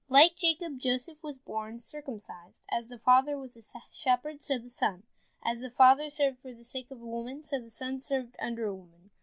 Like Jacob, Joseph was born circumcised. As the father was a shepherd, so the son. As the father served for the sake of a woman, so the son served under a woman.